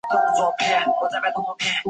飞将是日本将棋的棋子之一。